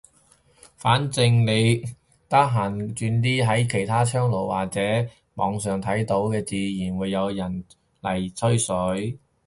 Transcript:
反正你哋得閒轉啲喺其他窗爐或者網上睇到嘅，自然有人入嚟吹水。